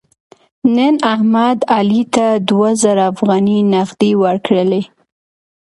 نن احمد علي ته دوه زره افغانۍ نغدې ورکړلې.